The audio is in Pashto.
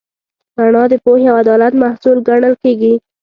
رڼا د پوهې او عدالت محصول ګڼل کېږي.